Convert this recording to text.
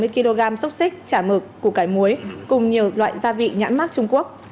sáu trăm bảy mươi kg xúc xích chả mực củ cải muối cùng nhiều loại gia vị nhãn mắc trung quốc